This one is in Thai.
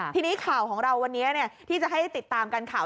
ทีนี้ข่าวของเราที่จะให้ติดตามการข่าว